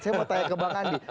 saya mau tanya ke bang andi